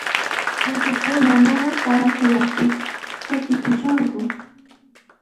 Uqhukuna mana para chayaqtin ch'akipushanku.